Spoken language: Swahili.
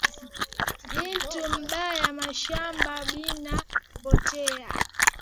Bintu bya mashamba bina poteya